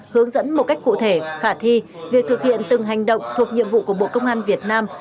hướng dẫn một cách cụ thể khả thi việc thực hiện từng hành động thuộc nhiệm vụ của bộ công an việt nam